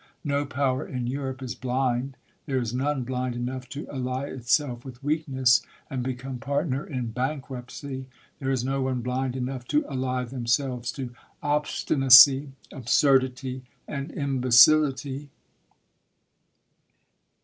No power in Europe is blind ; there is none blind enough to ally itself with weakness, and be «ome partner in bankruptcy; there is no one blind enough to ally themselves to obstinacy, absurdity, and imbecility.